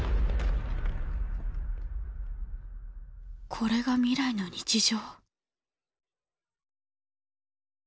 これが未来の日常。